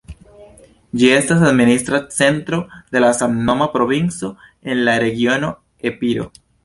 Ĝi estas administra centro de la samnoma provinco en la regiono Epiro.